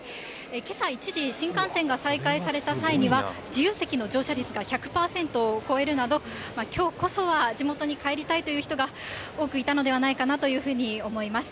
けさ一時新幹線が再開された際には、自由席の乗車率が１００％を超えるなど、きょうこそは地元に帰りたいという人が多くいたのではないかなというふうに思います。